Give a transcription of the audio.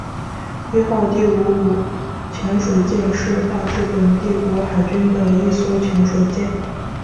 伊号第五五潜水舰是大日本帝国海军的一艘潜水艇。